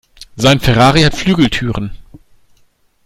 Sein Ferrari hat Flügeltüren.